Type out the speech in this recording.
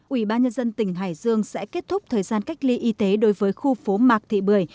ủy ban nhân dân tỉnh hải dương sẽ kết thúc thời gian cách ly y tế đối với khu phố mạc thị bưởi